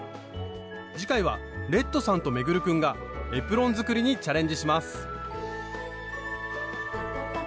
次回はレッドさんと運君がエプロン作りにチャレンジします！